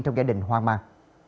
trong gia đình hoang mang